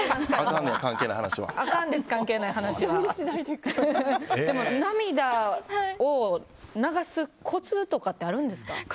あかんです、関係ない話は。涙を流すコツとかってあるんですか。